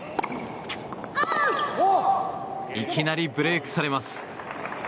いきなりブレークされます。